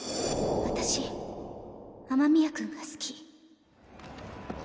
私雨宮君が好き